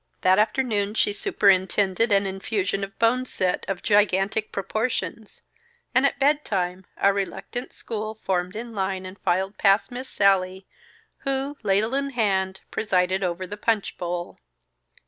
That afternoon she superintended an infusion of boneset, of gigantic proportions, and at bedtime a reluctant school formed in line and filed past Miss Sallie, who, ladle in hand, presided over the punch bowl.